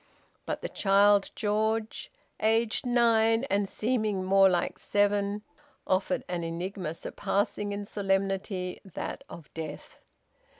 But the child George aged nine and seeming more like seven offered an enigma surpassing in solemnity that of death.